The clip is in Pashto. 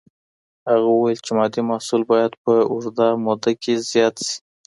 هغه وویل چی مادي محصول باید په اوږده موده کي زیات سي.